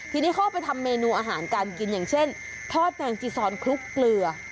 ทีนี้เข้าไปทำเมนูอาหารการกินอย่างเช่นทอดแมงจีซอนคลุกเกลือ